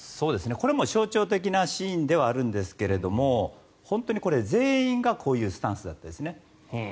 これも象徴的なシーンではあるんですが全員がこういうスタンスでしたね。